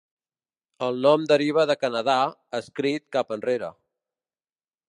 El nom deriva de Canadà, escrit cap enrere.